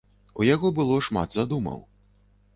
У яго было шмат задумаў.